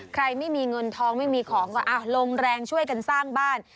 ไม่มีเงินทองไม่มีของก็ลงแรงช่วยกันสร้างบ้าน